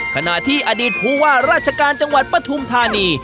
ขณะที่อดีตภูวะราชการจังหวัดพัตธุมธ่านี